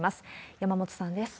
山本さんです。